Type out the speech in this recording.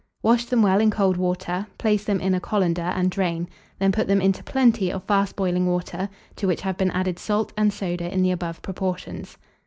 Wash them well in cold water, place them in a colander, and drain; then put them into plenty of fast boiling water, to which have been added salt and soda in the above proportions.